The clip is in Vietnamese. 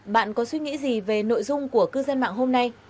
bạn có suy nghĩ gì về nội dung của cư dân mạng hôm nay